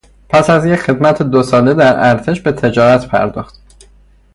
پس از یک خدمت دو ساله در ارتش به تجارت پرداخت.